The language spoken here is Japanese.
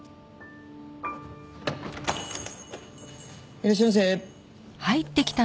いらっしゃいませ。